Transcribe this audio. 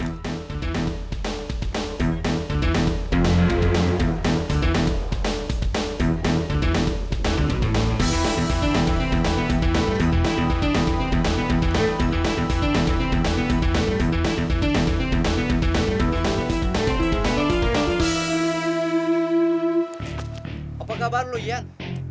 apa kabar lu ian